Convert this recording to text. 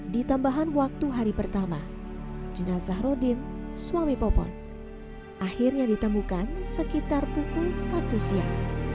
ditambahan waktu hari pertama jenazah rodin suami popon akhirnya ditemukan sekitar pukul satu siang